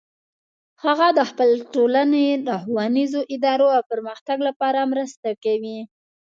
هغه د خپل ټولنې د ښوونیزو ادارو د پرمختګ لپاره مرسته کوي